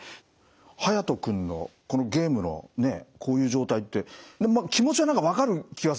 ハヤト君のゲームのこういう状態って気持ちは何か分かる気はするんですよね。